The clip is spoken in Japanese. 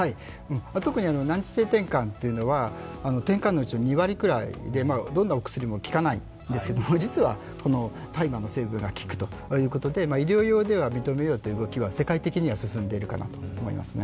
難治性てんかんというのはてんかんのうちの２割ぐらいでどんなお薬も効かないんですけど実は、この大麻の成分が効くということで医療用では認めようという動きは世界的には進んでいるかと思いますね。